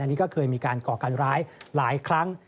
นี่ก็เคยมีการก่อการร้ายหลายครั้ง